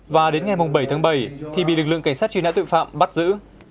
và đến ngày bảy tháng bảy thì bị lực lượng cảnh sát truy nã tội phạm bắt giữ